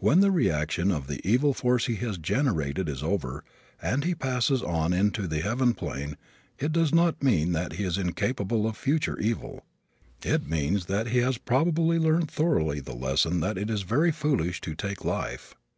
When the reaction of the evil force he has generated is over and he passes on into the heaven plane it does not mean that he is incapable of future evil. It means that he has probably learned thoroughly the lesson that it is very foolish to take life.